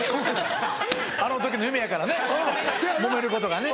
あの時の夢やからねもめることがね。